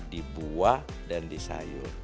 di buah dan di sayur